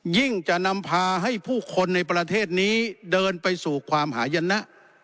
จะนำพาให้ผู้คนในประเทศนี้เดินไปสู่ความหายนะ